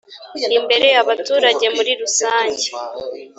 imbere abaturage muri rusange